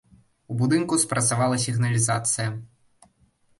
У будынку спрацавала сігналізацыя.